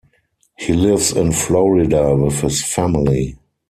He lives in Florida with his family.